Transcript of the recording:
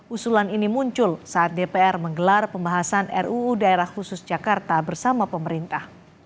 usulan ini muncul saat dpr menggelar pembahasan ruu daerah khusus jakarta bersama pemerintah